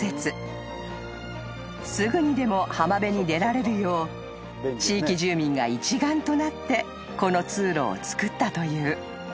［すぐにでも浜辺に出られるよう地域住民が一丸となってこの通路を造ったという］